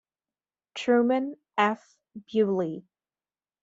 Truman F. Bewley.